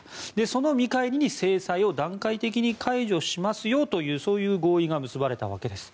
その見返りに制裁を段階的に解除しますよというそういう合意が結ばれたわけです。